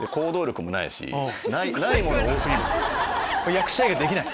役者以外できない？